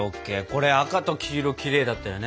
これ赤と黄色きれいだったよね。